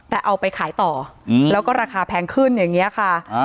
แต่เอาไปขายต่อแล้วก็ราคาแพงขึ้นอย่างนี้ค่ะ